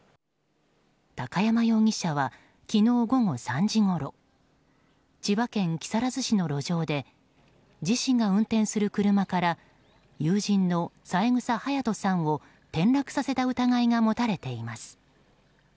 高山容疑者は昨日午後３時ごろ千葉県木更津市の路上で自身が運転する車から友人の三枝隼年さんを転落させた疑いが持たれています。